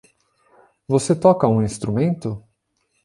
Você toca um instrumento?